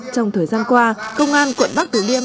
trong thời gian qua công an quận bắc từ điêm